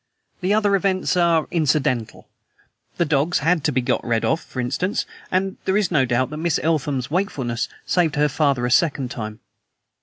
The other events are incidental. The dogs HAD to be got rid of, for instance; and there is no doubt that Miss Eltham's wakefulness saved her father a second time."